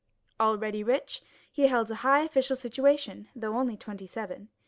Already rich, he held a high official situation, though only twenty seven.